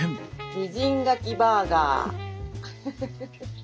美人牡蠣バーガー！